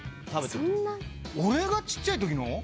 俺がちっちゃいときの？